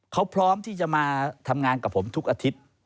เขาพร้อมที่จะมาทำงานกับผมทุกอาทิตย์